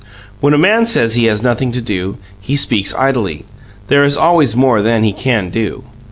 When a man says he has nothing to do, he speaks idly; there is always more than he can do.